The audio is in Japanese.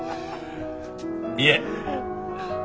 いえ。